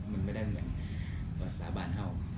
มันไม่เหมือนศาบาลเฮ่า